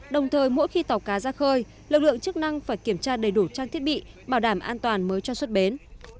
đồng thời mỗi khi tàu cá ra khơi lực lượng chức năng phải kiểm tra đầy đủ trang thiết bị bảo đảm an toàn mới cho xuất bến